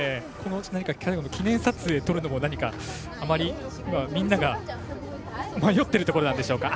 最後の記念撮影撮るのもあまり、みんなが迷ってるところなんでしょうか。